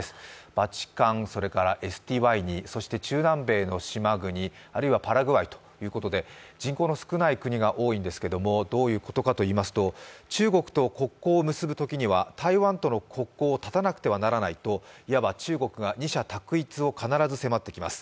バチカン、中南米の島国、あるいはパラグアイということで人口の少ない国が多いんですけどどういうことかといいますと中国と国境を結ぶときには台湾との国交を絶たなくてはならないと、いわば中国が二者択一を必ず迫ってきます。